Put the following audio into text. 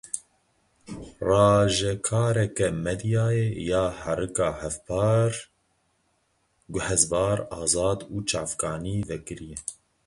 Rajekareke medyayê ya herika hevpar, guhezbar, azad û çavkanî vekirî ye.